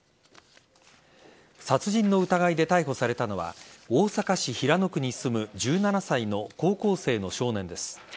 殺人の疑いで逮捕されたのは大阪市平野区に住む１７歳の高校生の少年です。